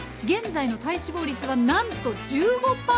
現在の体脂肪率はなんと１５％！